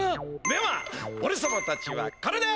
ではおれさまたちはこれで！